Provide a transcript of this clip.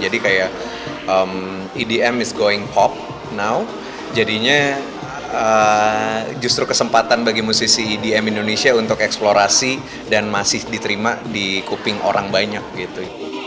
jadi kayak edm is going pop now jadinya justru kesempatan bagi musisi edm indonesia untuk eksplorasi dan masih diterima di kuping orang banyak gitu